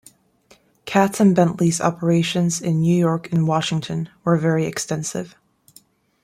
Katz and Bentley's operations in New York and Washington were very extensive.